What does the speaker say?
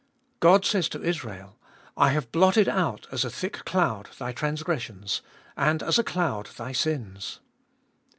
God says to Israel :/ have blotted out as a thick cloud thy transgressions, and as a cloud thy sins.